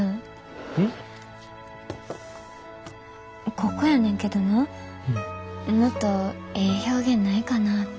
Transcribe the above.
ここやねんけどなもっとええ表現ないかなって。